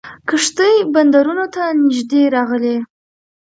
کښتۍ بندرونو ته نیژدې راغلې.